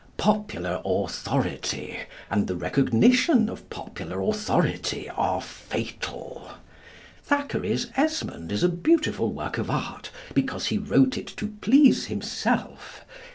Popular authority and the recognition of popular authority are fatal. Thackeray's 'Esmond' is a beautiful work of art because he wrote it to please himself.